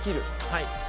はい。